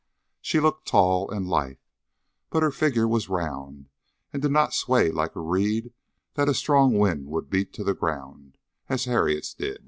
She looked tall and lithe, but her figure was round, and did not sway like a reed that a strong wind would beat to the ground, as Harriet's did.